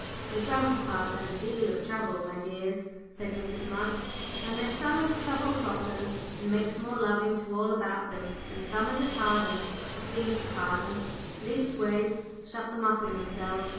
"Your grandpapa's had a deal of trouble, my dears," said Mrs. Munt. "And there's some as trouble softens and makes more loving to all about them and some as it hardens, or seems to harden, leastways to shut them up in themselves.